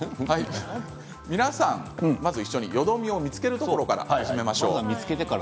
皆さん、一緒によどみを見つけるところから始めましょう。